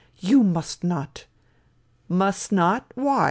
" You must not !" "Must not, why?